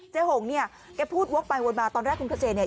เจ๊หงเนี่ยแกพูดวกไปวนมาตอนแรกคุณเกษตรเนี่ย